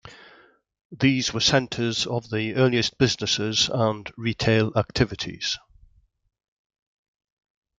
These were centers of the earliest businesses and retail activities.